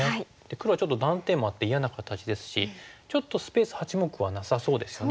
黒はちょっと断点もあって嫌な形ですしちょっとスペース八目はなさそうですよね。